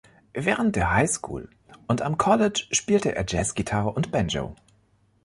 Während der Highschool und am College spielte er Jazzgitarre und Banjo.